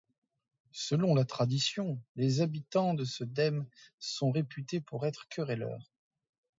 Selon la tradition, les habitants de ce dème sont réputés pour être querelleurs.